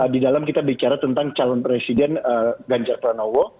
di dalam kita bicara tentang calon presiden ganjar pranowo